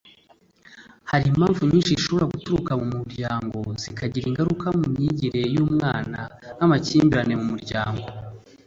Hari impamvu nyinshi zishobora guturuka mu muryango zikagira ingaruka mu myigire y’umwana nk’amakimbirane mu muryango